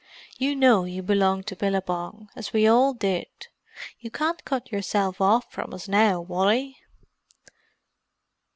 You know you belonged to Billabong, as we all did. You can't cut yourself off from us now, Wally."